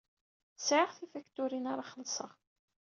Sɛiɣ tifakturin ara xellṣeɣ.